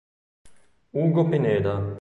Hugo Pineda